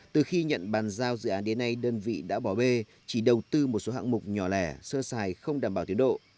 từ khi nhận bàn giao dự án đến nay đơn vị đã bỏ bê chỉ đầu tư một số hạng mục nhỏ lẻ sơ xài không đảm bảo tiến độ